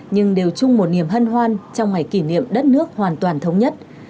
nhưng đều chung một niềm hân hoan trong ngày kỷ niệm đất nước hoàn toàn thống nhất